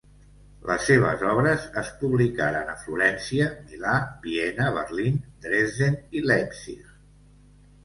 Les seves obres es publicaren a Florència, Milà, Viena, Berlín, Dresden i Leipzig.